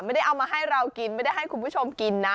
ไม่ได้เอามาให้เรากินไม่ได้ให้คุณผู้ชมกินนะ